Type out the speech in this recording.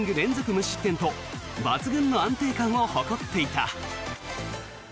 無失点と抜群の安定感を誇っていた。